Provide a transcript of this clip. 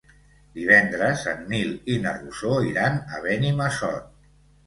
Divendres en Nil i na Rosó iran a Benimassot.